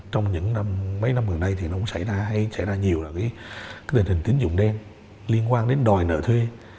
trong những năm mấy năm gần đây thì nó cũng xảy ra hay xảy ra nhiều là cái tình hình tín dụng đen liên quan đến đòi nợ thuê